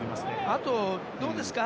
あと、どうですか？